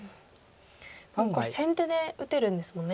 これ先手で打てるんですもんね。